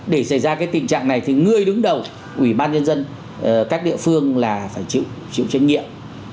để xảy ra cái tình trạng này thì người đứng đầu ủy ban nhân dân các địa phương là phải chịu trách nhiệm